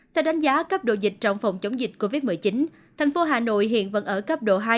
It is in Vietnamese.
theo đánh giá cấp độ dịch trong phòng chống dịch covid một mươi chín thành phố hà nội hiện vẫn ở cấp độ hai